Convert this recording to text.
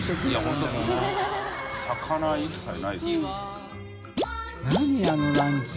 魚一切ないですよね。